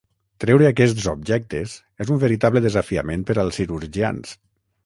Treure aquests objectes és un veritable desafiament per als cirurgians.